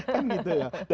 kan gitu ya